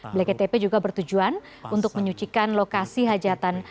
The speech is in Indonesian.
bleket tepe juga bertujuan untuk menyucikan lokasi hajatan